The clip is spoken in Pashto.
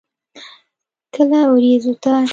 کله ورېځو ته.